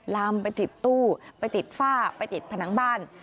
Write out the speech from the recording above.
ลามไปติดตู้ไปติดฝ้าไปติดผนังบ้าน